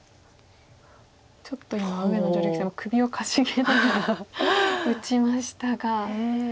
ちょっと今上野女流棋聖も首をかしげながら打ちましたが。